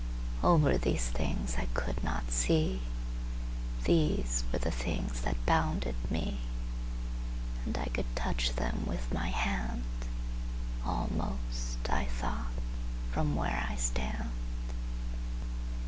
Over these things I could not see:These were the things that bounded me; And I could touch them with my hand, Almost, I thought, from where I stand.